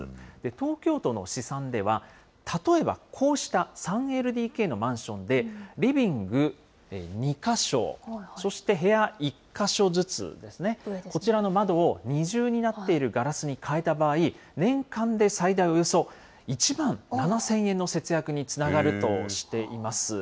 東京都の試算では、例えばこうした３ＬＤＫのマンションで、リビング２か所、そして部屋１か所ずつですね、こちらの窓を二重になっているガラスに変えた場合、年間で最大およそ１万７０００円の節約につながるとしています。